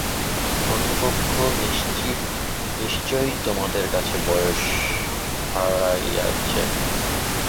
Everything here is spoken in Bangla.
কন্যাপক্ষ নিশ্চয়ই তোমাদের কাছে বয়স ভাঁড়াইয়াছে।